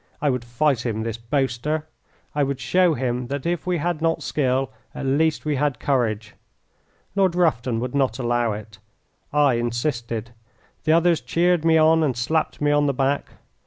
I would fight him, this boaster; I would show him that if we had not skill at least we had courage. Lord Rufton would not allow it. I insisted. The others cheered me on and slapped me on the back.